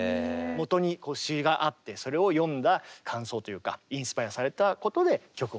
もとに詩があってそれを読んだ感想というかインスパイアされたことで曲を作ったという。